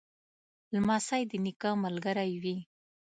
لمسی د نیکه ملګری وي.